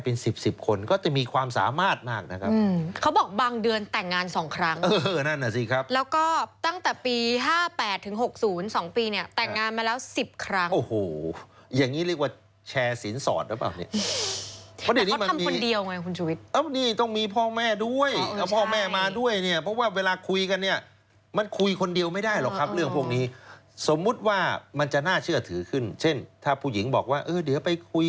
หลังปีเนี่ยแต่งงานมาแล้วสิบครั้งโอ้โหอย่างงี้เรียกว่าแชร์ศีลสอดหรือเปล่าเนี่ยแต่ก็ทำคนเดียวไงคุณชุวิตเอ้านี่ต้องมีพ่อแม่ด้วยเอาพ่อแม่มาด้วยเนี่ยเพราะว่าเวลาคุยกันเนี่ยมันคุยคนเดียวไม่ได้หรอกครับเรื่องพวกนี้สมมุติว่ามันจะน่าเชื่อถือขึ้นเช่นถ้าผู้หญิงบอกว่าเออเดี